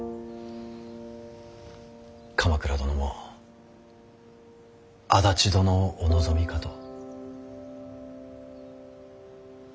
鎌倉殿も安達殿をお望みかと。